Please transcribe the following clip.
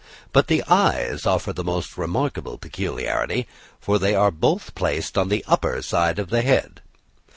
But the eyes offer the most remarkable peculiarity; for they are both placed on the upper side of the head.